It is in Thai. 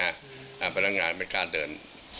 อ่ะเพราะล่างงานไม่กล้าเดิน